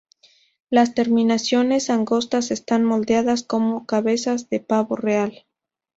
Las terminaciones angostas están moldeadas como cabezas de pavo real.